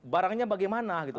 barangnya bagaimana gitu